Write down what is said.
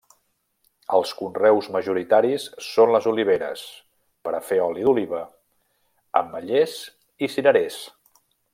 Els conreus majoritaris són les oliveres, per a fer oli d'oliva, ametllers i cirerers.